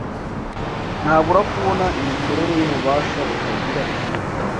ntabura kubona imikorere y’ububasha butagira iherezo